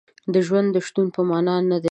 د ژوند د شتون په معنا نه دی.